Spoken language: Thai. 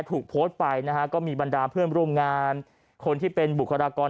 ถูกโพสต์ไปนะฮะก็มีบรรดาเพื่อนร่วมงานคนที่เป็นบุคลากร